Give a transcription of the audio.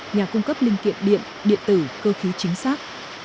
nhà cung cấp linh kiện điện điện tử cơ khí chính xác